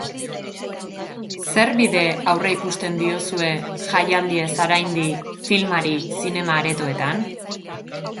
Zer bide aurreikusten diozue, jaialdiez haraindi, filmari zinema aretoetan?